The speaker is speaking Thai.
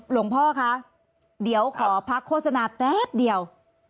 หลวงพ่อคะเดี๋ยวขอพักโฆษณาแป๊บเดียว